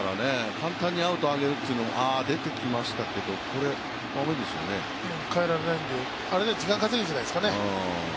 簡単にアウトをあげるっていうのはあ、出てきましたけど代えられないんで時間稼ぎじゃないですかね。